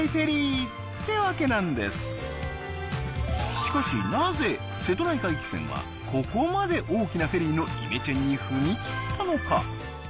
しかしなぜ瀬戸内海汽船はここまで大きなフェリーのイメチェンに踏み切ったのか